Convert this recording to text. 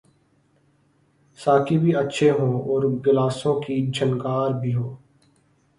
ساقی بھی اچھے ہوں اور گلاسوں کی جھنکار بھی ہو۔